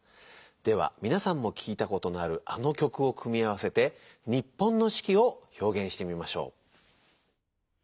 ではみなさんも聴いたことのあるあの曲を組み合わせて日本の四季をひょうげんしてみましょう。